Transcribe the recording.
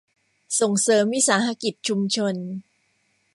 ส่งเสริมวิสาหกิจชุมชน